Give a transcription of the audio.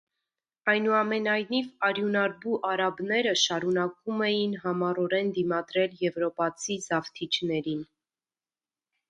Այնուամենայնիվ արյունարբու արաբները շարունակում էին համառորեն դիմադրել եվրոպացի զավթիչներին։